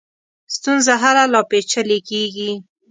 ستونزه هله لا پېچلې کېږي.